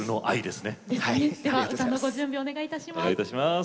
では歌のご準備お願いいたします。